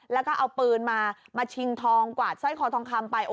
แล้วก็เอาปืนมามาชิงทองกวาดสร้อยคอทองคำไป